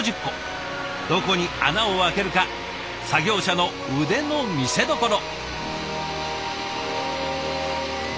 どこに穴を開けるか作業者の腕の見せどころ。